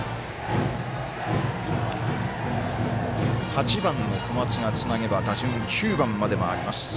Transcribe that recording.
８番、小松がつなげば打順９番まで回ります。